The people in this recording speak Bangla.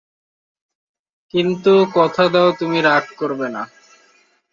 কিন্তু কথা দাও তুমি রাগ করবে না?